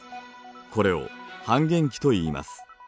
これを半減期といいます。